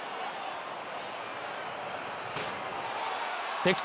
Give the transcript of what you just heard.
敵地